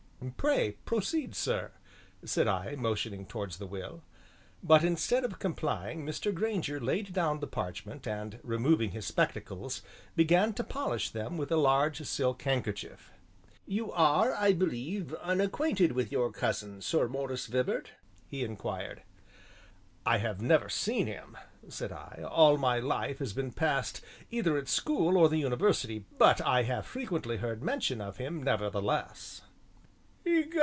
"Pray proceed, sir," said I, motioning towards the will.... But instead of complying, Mr. Grainger laid down the parchment, and removing his spectacles, began to polish them with a large silk handkerchief. "You are, I believe, unacquainted with your cousin, Sir Maurice Vibart?" he inquired. "I have never seen him," said I; "all my life has been passed either at school or the university, but I have frequently heard mention of him, nevertheless."